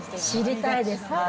知りたいです。